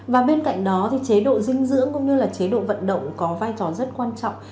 và bên cạnh đó thì chế độ dinh dưỡng cũng như là chế độ vận động có vai trò rất quan trọng